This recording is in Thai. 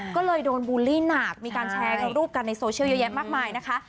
ก็เลยโดนบูลลี่หนักมีการแชร์รูปกันในโซเชียลเยอะแยะมากมายนะคะ